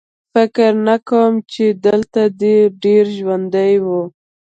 فکر نه کوم چې دلته دې ډېر ژوندي وو